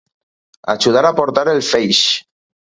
Ajudar a portar el feix.